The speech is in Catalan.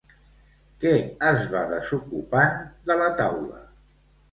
Què es va desocupant de la taula?